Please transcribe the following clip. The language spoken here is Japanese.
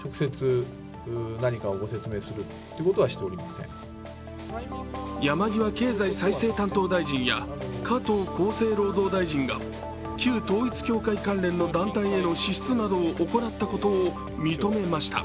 更に山際経済再生担当大臣や加藤厚生労働大臣が旧統一教会関連の団体への支出などを行ったことを認めました。